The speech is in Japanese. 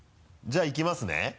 じゃあいきますね。